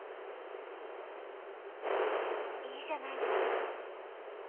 いいじゃないですか。